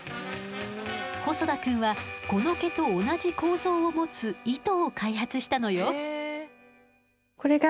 細田くんはこの毛と同じ構造を持つ糸を開発したのよ。